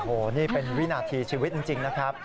โอ้โหนี่เป็นวินาทีชีวิตจริงนะครับ